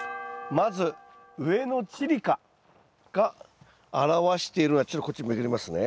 まず上のチリカが表しているのはちょっとこっちめくりますね。